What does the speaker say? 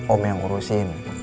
om yang urusin